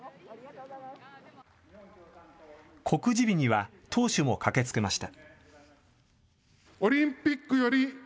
告示日には党首も駆けつけました。